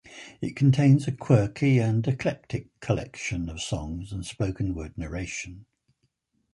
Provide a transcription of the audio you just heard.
It contains a quirky and eclectic collection of songs and spoken-word narration.